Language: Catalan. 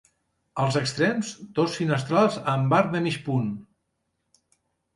Als extrems, dos finestrals amb arc de mig punt.